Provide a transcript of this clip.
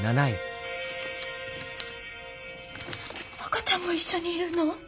赤ちゃんも一緒にいるの？